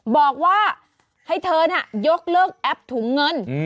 บอกว่าให้เธอน่ะยกเลิกแอปถุงเงิน